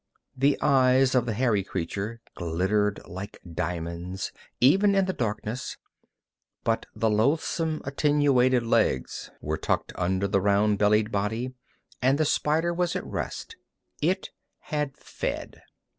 The eyes of the hairy creature glittered like diamonds, even in the darkness, but the loathsome, attenuated legs were tucked under the round bellied body, and the spider was at rest. It had fed.